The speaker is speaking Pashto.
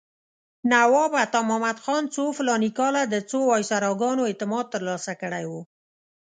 نواب عطامحمد خان څو فلاني کاله د څو وایسراګانو اعتماد ترلاسه کړی و.